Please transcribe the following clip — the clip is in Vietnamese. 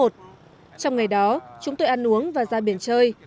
trong ngày đó chúng tôi ăn uống và ra biển chơi